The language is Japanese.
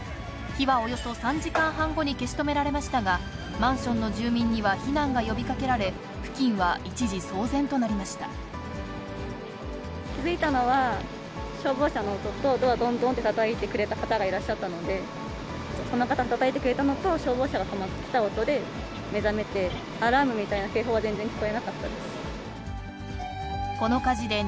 火はおよそ３時間半後に消し止められましたが、マンションの住民には避難が呼びかけられ、付近は一時騒然となり気付いたのは、消防車の音と、ドアどんどんとたたいてくれた方がいらっしゃったので、その方がたたいてくれたのと消防車が止まった音で目覚めて、アラームみたいな警報が全然聞こえなかったです。